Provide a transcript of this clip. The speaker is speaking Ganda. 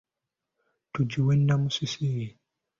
Tugiwe Namusisi.